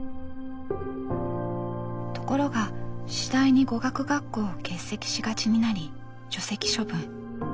ところが次第に語学学校を欠席しがちになり除籍処分。